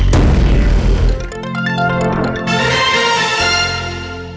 โปรดติดตามตอนต่อไป